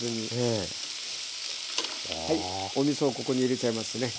おみそをここに入れちゃいますね。